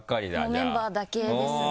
メンバーだけですね。